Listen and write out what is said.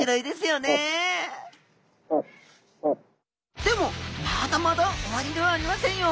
でもまだまだ終わりではありませんよ。